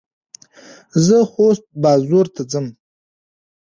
زه خوست بازور ته څم.